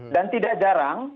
dan tidak jarang